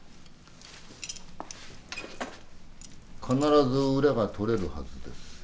必ず裏が取れるはずです。